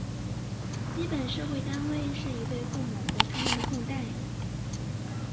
基本社会单元是一对父母和它们的后代。